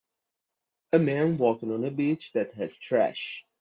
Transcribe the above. A man walking on a beach that has trash.